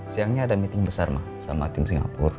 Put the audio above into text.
sayangnya ada meeting besar ma sama tim singapur